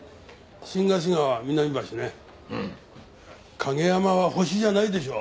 景山はホシじゃないでしょう。